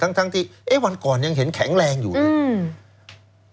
ทั้งทั้งที่เอ๊ะวันก่อนยังเห็นแข็งแรงอยู่เลยอืม